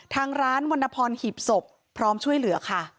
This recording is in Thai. ทางร้านวรรณพรหีบศพพร้อมช่วยเหลือค่ะ